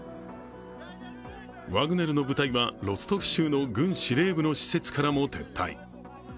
ワグネルの部隊はロストフ州の軍司令部の施設からも撤退。